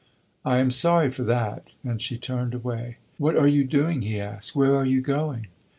"I am sorry for that!" And she turned away. "What are you doing?" he asked. "Where are you going?"